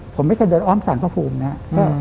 ผมไม่เคยเดินอ้อมสารพระภูมินะครับ